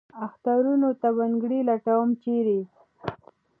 اخترونو ته بنګړي لټوم ، چېرې ؟